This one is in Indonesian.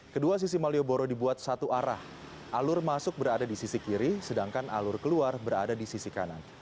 kedua sisi malioboro dibuat satu arah alur masuk berada di sisi kiri sedangkan alur keluar berada di sisi kanan